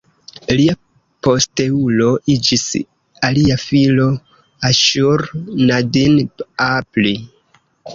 Lia posteulo iĝis alia filo, Aŝur-nadin-apli.